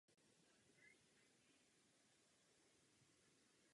O rok později zemřel na celkové vyčerpání a v naprosté bídě.